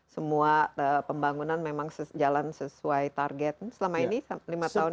semua pembangunan memang jalan sesuai target selama ini lima tahun